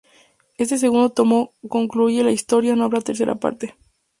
Este segundo tomo concluye la historia, no habrá tercera parte.